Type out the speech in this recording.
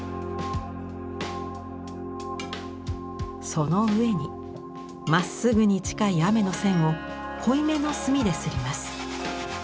その上にまっすぐに近い雨の線を濃いめの墨で摺ります。